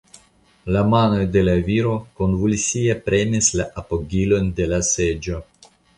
La manoj de la viro konvulsie premis la apogilojn de la seĝo.